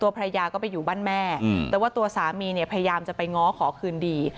ภรรยาก็ไปอยู่บ้านแม่แต่ว่าตัวสามีเนี่ยพยายามจะไปง้อขอคืนดี